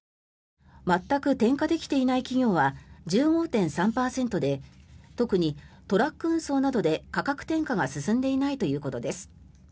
全く転嫁できていない企業は１５．３％で特にトラック運送などで価格転嫁が進んでいないということです。